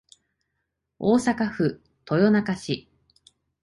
大阪府豊中市